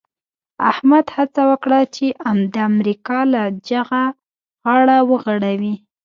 احمد هڅه وکړه چې د امریکا له جغه غاړه وغړوي.